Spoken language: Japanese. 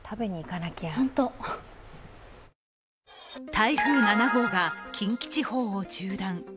台風７号が近畿地方を縦断。